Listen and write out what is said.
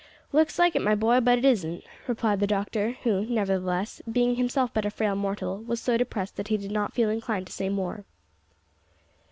"Looks like it, my boy; but it isn't," replied the doctor, who nevertheless, being himself but a frail mortal, was so depressed that he did not feel inclined to say more.